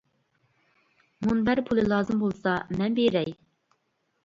مۇنبەر پۇلى لازىم بولسا مەن بېرەي!